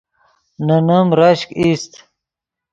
نے نیم رشک ایست